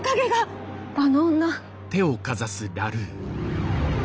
あの女！